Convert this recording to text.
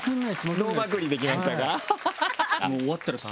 ノーまくりできましたか。